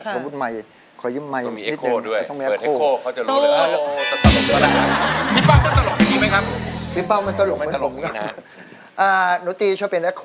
สมมุติไมค์ขอยิ้มไมค์นิดหนึ่งต้องมีแอคโครต้องมีแอคโครต้องมีแอคโครต้องมีแอคโคร